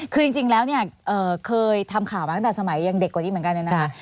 คือจริงแล้วเคยทำข่าวมาตั้งแต่สมัยยังเด็กกว่านี้เหมือนกัน